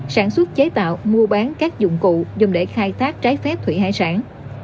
sản xuất chế tạo mua bán các dụng cụ dùng để khai thác trái phép thủy hải sản